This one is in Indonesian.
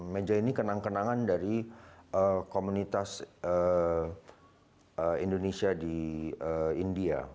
meja ini kenang kenangan dari komunitas indonesia di india